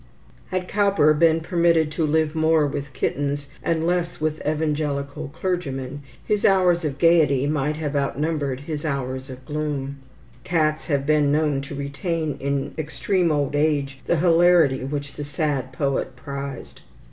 Had Cowper been permitted to live more with kittens, and less with evangelical clergymen, his hours of gayety might have outnumbered his hours of gloom. Cats have been known to retain in extreme old age the "hilarity" which the sad poet prized.